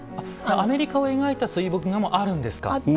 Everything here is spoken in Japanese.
アメリカを描いた水墨画もあるんですか？